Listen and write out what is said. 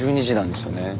１２時なんですよね。